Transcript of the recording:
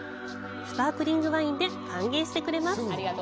スパークリングワインで歓迎してくれます。